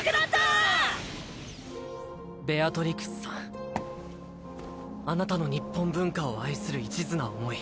ベアトリクスさんあなたの日本文化を愛する一途な思い